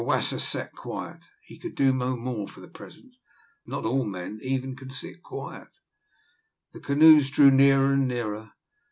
Wasser sat quiet; he could do no more for the present not all men even can sit quiet. The canoes drew nearer and nearer.